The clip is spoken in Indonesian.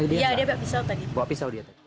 iya dia bawa pisau tadi